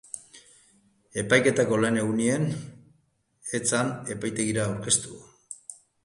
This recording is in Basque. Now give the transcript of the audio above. Epaiketako lehen egunean, ez zen epaitegira aurkeztu.